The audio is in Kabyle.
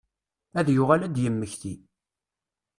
Ad yuɣal ad d-yemmekti.